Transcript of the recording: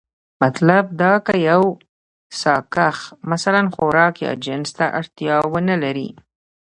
مطلب دا که يو ساکښ مثلا خوراک يا جنس ته اړتيا ونه لري،